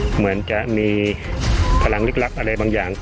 เหมือนจะมีพลังลึกลับอะไรบางอย่าง